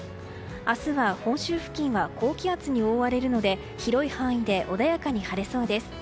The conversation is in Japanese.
明日は本州付近は高気圧に覆われるので広い範囲で穏やかに晴れそうです。